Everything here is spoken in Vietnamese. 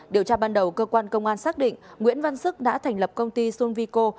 điều tra ban đầu cơ quan công an xác định nguyễn văn sức đã thành lập công ty sonvico